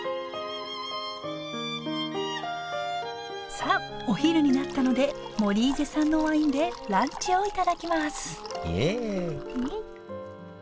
さあお昼になったのでモリーゼ産のワインでランチを頂きますイエイ！